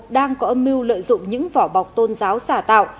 đang có âm mưu lợi dụng những vỏ bọc tôn giáo xả tạo